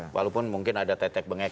walaupun mungkin ada tetek bengek